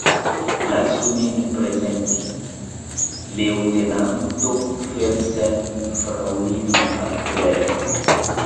Lasu min prezenti: leŭtenanto Felsen fraŭlino Adler.